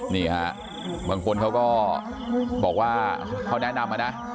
นี่ฮะบางคนเขาก็บอกว่าเขาแนะนำมานะ